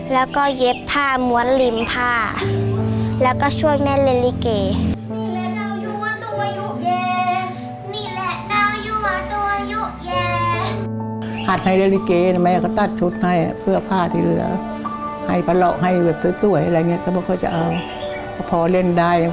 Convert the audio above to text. แล้วก็เย็บผ้าหมวดริมผ้าแล้วก็ช่วยแม่เล็กเล่น